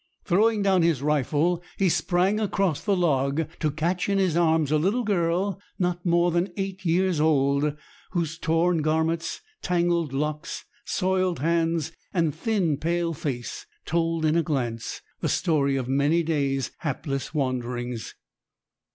Throwing down his rifle he sprang across the log, to catch in his arms a little girl not more than eight years old, whose torn garments, tangled locks, soiled hands, and thin, pale face, told in a glance the story of many days' hapless wanderings.